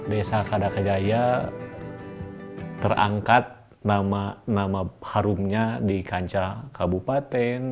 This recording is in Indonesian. desa kadakajaya terangkat nama harumnya di kancah kabupaten